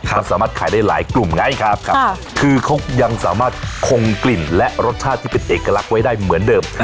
มันสามารถขายได้หลายกลุ่มไงครับคือเขายังสามารถคงกลิ่นและรสชาติที่เป็นเอกลักษณ์ไว้ได้เหมือนเดิม